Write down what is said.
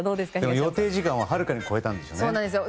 予定時間をはるかに超えたんですよね。